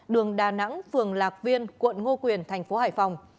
đường đà nẵng phường lạc viên quận ngô quyền tp hải phòng